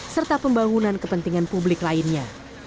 serta pembangunan kepentingan publik lainnya